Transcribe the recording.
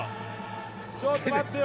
ちょっと待ってよ！